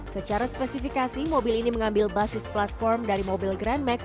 secara spesifikasi mobil ini mengambil basis platform dari mobil grand max